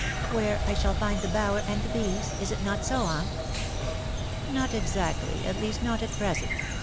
" Where I shall find the bower and the bees ? Is it not so, aunt ?"" Not exactly .... at least not at present.